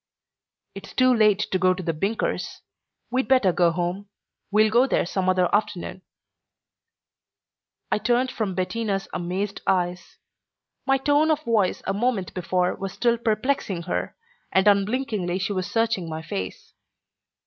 "It's too late to go to the Binkers. We'd better go home. We'll go there some other afternoon." I turned from Bettina's amazed eyes. My tone of voice a moment before was still perplexing her, and unblinkingly she was searching my face.